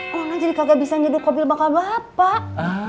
wana jadi kagak bisa nyedot mobil bakal bapak